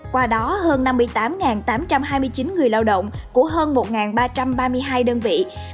qua đó hơn năm mươi tám tám trăm hai mươi chín người lao động của hơn một ba trăm ba mươi hai đơn vị